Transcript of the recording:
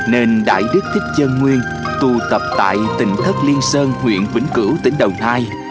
nên đại đức thích chân nguyên tu tập tại tỉnh thất liên sơn huyện vĩnh cửu tỉnh đồng nai